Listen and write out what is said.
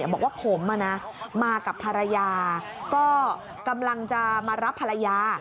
บอกว่าผมมากับภรรยาก็กำลังจะมารับภรรยา